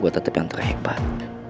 gue tetep yang terhebat